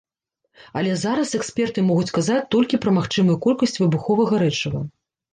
Але зараз эксперты могуць казаць толькі пра магчымую колькасць выбуховага рэчыва.